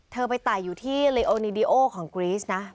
เธอไปไต่อยู่ที่ลิโอนิดีโอของกรีสนะ